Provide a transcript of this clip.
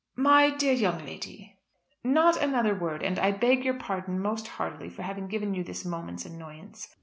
'" "My dear young lady " "Not another word; and I beg your pardon most heartily for having given you this moment's annoyance."